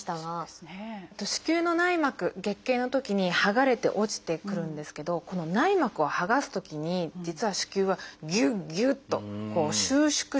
子宮の内膜月経のときにはがれて落ちてくるんですけどこの内膜をはがすときに実は子宮はギュッギュッと収縮してるんですね。